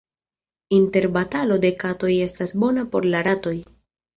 Interbatalo de katoj estas bona por la ratoj.